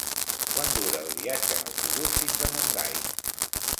Quant dura el viatge en autobús fins a Montgai?